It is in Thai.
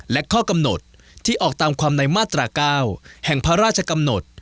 และข้อกำหนดที่ออกตามความในมาตรา๙แห่งพระราชกำหนด